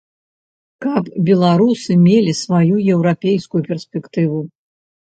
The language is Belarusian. Каб беларусы мелі сваю еўрапейскую перспектыву.